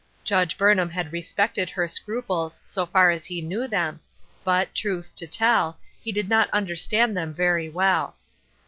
Judge Burnham had respected her scruples, so far as he knew them, but, truth to tell, he did not understand them very well.